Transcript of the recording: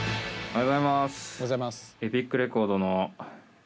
おはようございます。